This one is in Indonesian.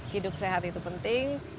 hidup sehat itu penting